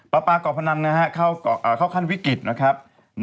ปาก่อพนันเข้าขั้นวิกฤตนะครับ